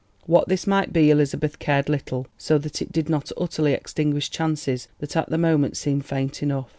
What this might be Elizabeth cared little so that it did not utterly extinguish chances that at the moment seemed faint enough.